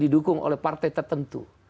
didukung oleh partai tertentu